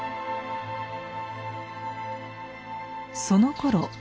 そのころ